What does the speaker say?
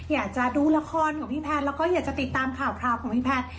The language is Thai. อยากจะดูละครของพี่แพทย์แล้วก็อยากจะติดตามข่าวของพี่แพทย์